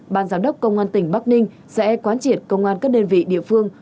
ban giám đốc công an tỉnh bắc ninh sẽ quán triệt công an các đơn vị địa phương